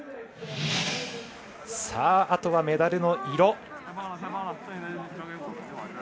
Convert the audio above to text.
あとはメダルの色。